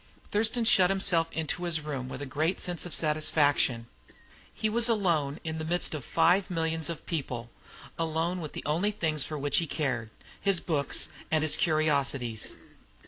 Thurston shut himself into his room with a great sense of satisfaction. He was alone in the midst of five millions of people alone with the only things for which he cared, his books and his curiosities.